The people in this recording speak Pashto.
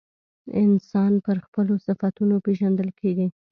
انسان پر خپلو صفتونو پیژندل کیږي.